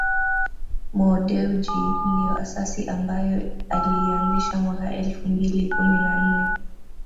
Mo Dewji ndio asasi ambayo aliianzisha mwaka elfu mbili kumi na nne